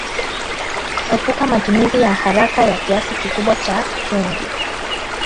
Epuka matumizi ya haraka ya kiasi kikubwa cha chumvi